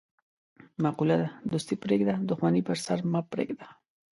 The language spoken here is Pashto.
مقوله ده: دوستي پرېږده، دښمني په سر مه پرېږده.